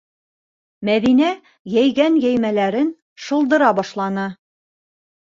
Мәҙинә йәйгән йәймәләрен шылдыра башланы: